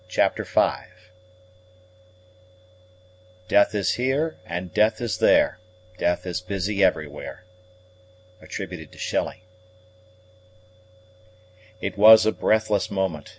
CHAPTER V Death is here and death is there, Death is busy everywhere. SHELLEY It was a breathless moment.